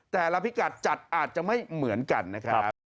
แต่ละพิกัดจัดอาจจะไม่เหมือนกันนะครับ